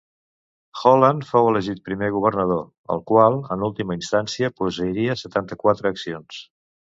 Holland fou elegit primer governador, el qual en última instància posseiria setanta-quatre accions.